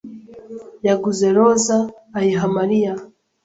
yaguze roza ayiha Mariya.